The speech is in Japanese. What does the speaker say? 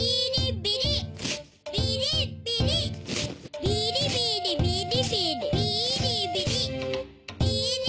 ビリビリビリビリビーリビリ！